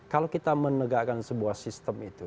kalau kita menegakkan sebuah sistem itu